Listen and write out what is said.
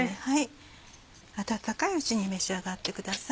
温かいうちに召し上がってください。